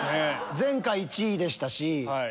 前回１位でしたし。